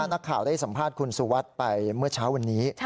นักข่าวได้สัมภาษณ์คุณสุวัสดิ์ไปเมื่อเช้าวันนี้